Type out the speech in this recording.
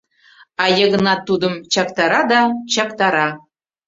А Йыгнат тудым чактара да чактара.